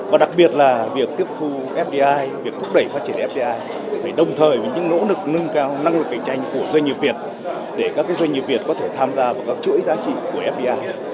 và đặc biệt là việc tiếp thu fdi việc thúc đẩy phát triển fdi đồng thời với những nỗ lực nâng cao năng lực cạnh tranh của doanh nghiệp việt để các doanh nghiệp việt có thể tham gia vào các chuỗi giá trị của fdi